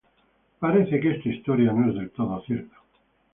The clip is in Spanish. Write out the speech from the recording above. Parece que esta historia no es del todo cierta.